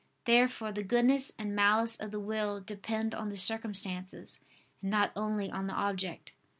Therefore the goodness and malice of the will depend on the circumstances, and not only on the object.